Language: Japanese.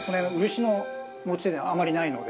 漆の持ち手ってあまりないので。